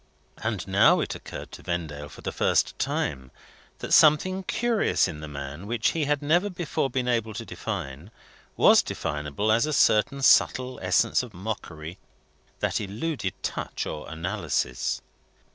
And now it occurred to Vendale for the first time that something curious in the man, which he had never before been able to define, was definable as a certain subtle essence of mockery that eluded touch or analysis.